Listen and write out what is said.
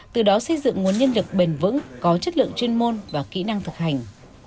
từ đó xây dựng nguồn nhân lực bền vững có chất lượng chuyên môn và kỹ năng thực hành